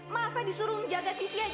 masa disuruh menjaga sisi aja